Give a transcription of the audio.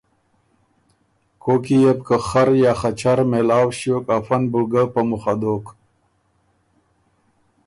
کوک کی يې بو که خر یا خچر مېلاؤ ݭیوک افۀ ن بُو په مُخ دوک،